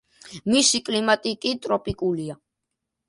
მისი კლიმატი კი ტროპიკულია.